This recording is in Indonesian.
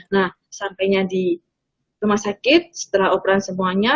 nah sampainya di rumah sakit setelah operan semuanya